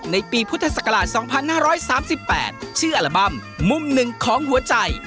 ในปีพุทธศักราช๒๕๓๘ชื่ออัลบั้มมุมหนึ่งของหัวใจ